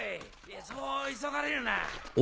そう急がれるな。